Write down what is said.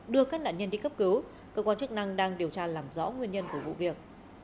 đưa các nạn nhân đi cấp cứu cơ quan chức năng đang điều tra làm rõ nguyên nhân của vụ việc